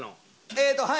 えっとはい。